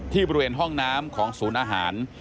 บริเวณห้องน้ำของศูนย์อาหาร